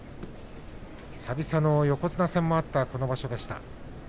久々の横綱戦もあったこの場所でした。